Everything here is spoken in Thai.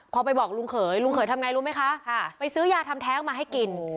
พอไปบอกลุงเขยลุงเขยทำไงรู้ไหมคะไปซื้อยาทำแท้งมาให้กิน